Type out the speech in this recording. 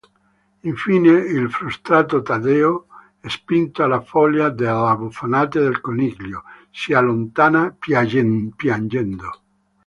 Infine il frustrato Taddeo, spinto alla follia dalle buffonate del coniglio, si allontana piangendo.